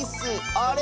あれ？